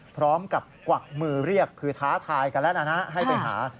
พร้อมกับกวักมือเรียกคือท้าทายกันแล้วนะให้ไปหา